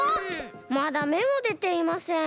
まだめもでていません。